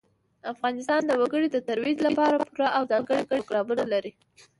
افغانستان د وګړي د ترویج لپاره پوره او ځانګړي پروګرامونه لري.